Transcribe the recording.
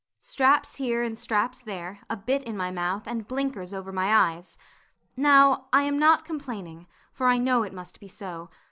Straps here and straps there, a bit in my mouth, and blinkers over my eyes. Now, I am not complaining, for I know it must be so.